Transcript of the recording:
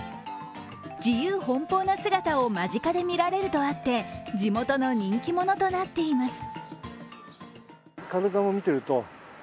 自由奔放な姿を間近で見られるとあって地元の人気者となっています。